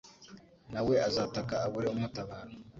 na we azataka abure umutabara